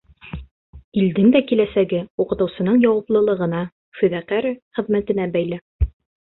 Илдең дә киләсәге уҡытыусының яуаплылығына, фиҙакәр хеҙмәтенә бәйле.